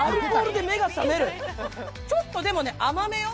ちょっとでも甘めよ。